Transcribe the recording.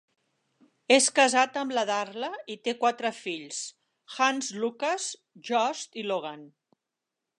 És casat amb la Darla i té quatre fils: Hans, Lucas, Josh i Logan.